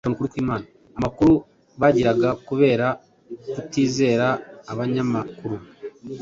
amakuru bagiraga kubera kutizera abanyamakuru